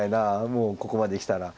もうここまできたら。